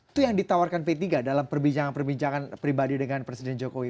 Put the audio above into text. itu yang ditawarkan p tiga dalam perbincangan perbincangan pribadi dengan presiden jokowi